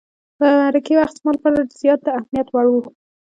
د مرکې وخت زما لپاره زیات د اهمیت وړ وو.